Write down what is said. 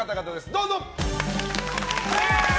どうぞ！